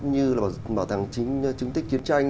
như là bảo tàng chứng tích chiến tranh